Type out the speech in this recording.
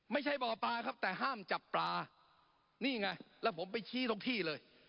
ไม่ใช่บ่อปลาครับแต่ห้ามจับปลานี่ไงแล้วผมไปชี้ทุกที่เลย